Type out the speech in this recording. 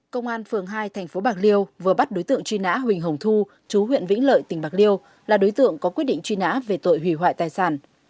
công an phường hai tp bạc liêu vừa bắt đối tượng truy nã huỳnh hồng thu chú huyện vĩnh lợi tỉnh bạc liêu là đối tượng có quyết định truy nã về tội hủy hoại tài sản